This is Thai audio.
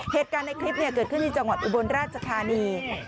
เหตุการณ์ในคลิปเกิดขึ้นที่จังหวัดอุบลราชธานี